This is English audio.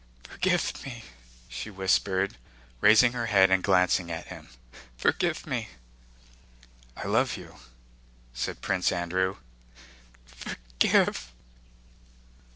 "Forgive me!" she whispered, raising her head and glancing at him. "Forgive me!" "I love you," said Prince Andrew. "Forgive...!"